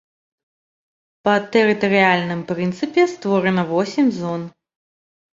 Па тэрытарыяльным прынцыпе створана восем зон.